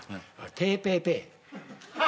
テーペーペー？